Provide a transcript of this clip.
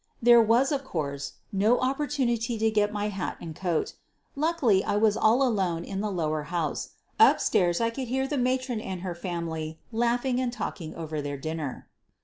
There was, of course, no opportunity to get my hat and coat. Luckily I was all alone in the lower house — upstairs I could hear the matron and her family laughing and talking over their dinner.